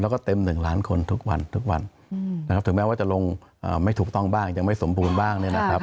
แล้วก็เต็ม๑ล้านคนทุกวันทุกวันนะครับถึงแม้ว่าจะลงไม่ถูกต้องบ้างยังไม่สมบูรณ์บ้างเนี่ยนะครับ